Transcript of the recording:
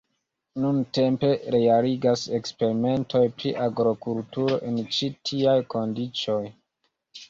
Nuntempe realigas eksperimentoj pri agrokulturo en ĉi tiaj kondiĉoj.